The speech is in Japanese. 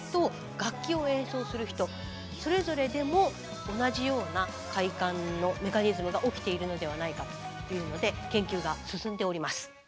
楽器を演奏する人それぞれでも同じような快感のメカニズムが起きているのではないかというので研究が進んでおります。